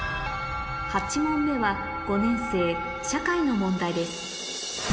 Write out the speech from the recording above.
８問目は５年生社会の問題です